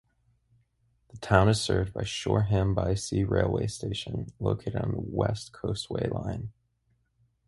The town is served by Shoreham-by-Sea railway station, located on the West Coastway Line.